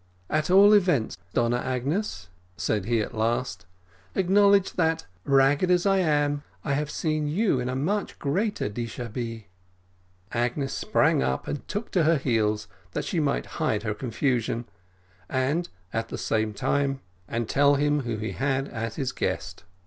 "At all events, Donna Agnes," said he at last, "acknowledge that, ragged as I am, I have seen you in a much greater deshabille." Agnes sprang up and took to her heels, that she might hide her confusion, and at the same time go to her father and tell him who he had as his guest.